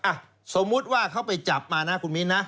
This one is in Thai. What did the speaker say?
สมมุติว่าเขาไปจับมานะคุณมิ้นนะ